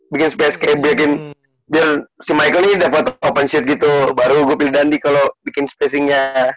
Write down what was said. bikin space kayak bikin si michael ini udah buat open shoot gitu baru gua pilih dandi kalo bikin spacing nya